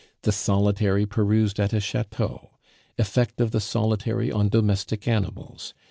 The Solitary perused at a chateau. Effect of the Solitary on domestic animals.